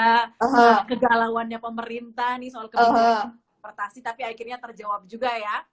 soal kegalauannya pemerintah soal kemampuan eksportasi tapi akhirnya terjawab juga ya